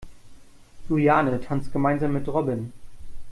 Juliane tanzt gemeinsam mit Robin.